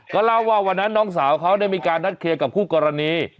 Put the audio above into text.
ก็เล่าว่าวันนั้นน้องสาวเขาได้มีการนัดเคลียร์กับคู่กรณี